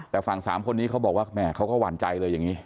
แต่ฝั่ง๓คนนี้เขาบอกว่าแม่เขาก็หวั่นใจเลยอย่างนี้